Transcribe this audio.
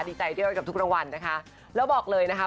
ดีใจด้วยกับทุกรางวัลนะคะแล้วบอกเลยนะคะ